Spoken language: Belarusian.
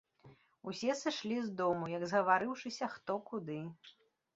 Усе сышлі з дому, як згаварыўшыся, хто куды.